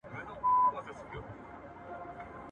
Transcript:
که وخت وي، زدکړه کوم،